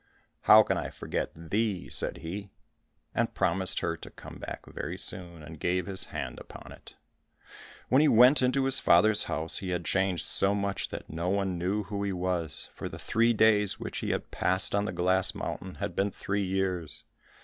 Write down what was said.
"How can I forget thee?" said he, and promised her to come back very soon, and gave his hand upon it. When he went into his father's house, he had changed so much that no one knew who he was, for the three days which he had passed on the glass mountain had been three years.